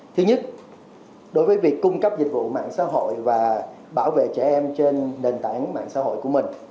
thứ nhất đối với việc cung cấp dịch vụ mạng xã hội và bảo vệ trẻ em trên nền tảng mạng xã hội của mình